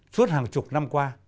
suốt hàng chục năm qua